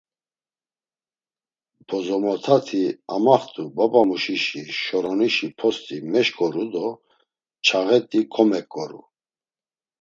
Bozomotati amaxt̆u, babamuşişi şoronişi post̆i meşǩoru do çağet̆i komeǩoru.